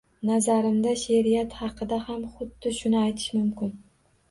Nazarimda, she`riyat haqida ham xuddi shuni aytish mumkin